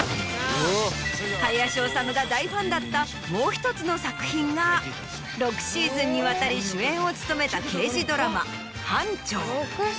林修が大ファンだったもう１つの作品が６シーズンにわたり主演を務めた。